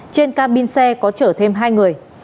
trên cabin xe có chở thêm hai người